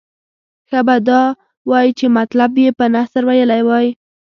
ښه به دا وای چې مطلب یې په نثر ویلی وای.